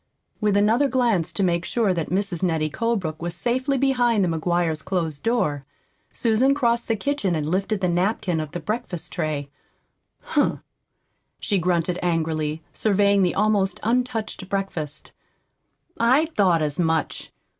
With another glance to make sure that Mrs. Nettie Colebrook was safely behind the McGuires' closed door, Susan crossed the kitchen and lifted the napkin of the breakfast tray. "Humph!" she grunted angrily, surveying the almost untouched breakfast. "I thought as much!